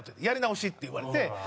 「やり直し」って言われて。